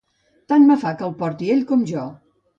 Tant me fa que el porti ell com jo.